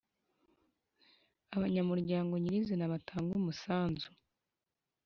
Abanyamuryango nyirizina batanga umusanzu